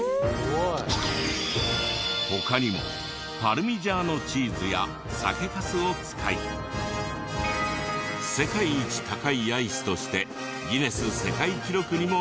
他にもパルミジャーノチーズや酒粕を使い世界一高いアイスとしてギネス世界記録にも認定。